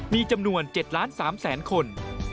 มีจำนวน๗ล้าน๓แสนคน